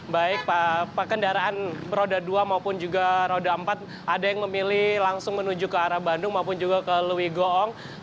baik kendaraan roda dua maupun juga roda empat ada yang memilih langsung menuju ke arah bandung maupun juga ke lewi goong